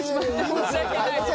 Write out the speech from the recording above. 申し訳ないです。